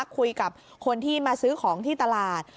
คุยกับคนที่มาซื้อของที่ตลาด